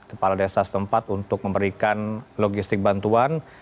kepala desa setempat untuk memberikan logistik bantuan